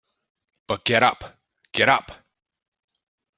But get up, get up!